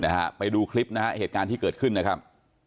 นะฮะไปดูคลิปนะฮะเหตุการณ์ที่เกิดขึ้นนะครับ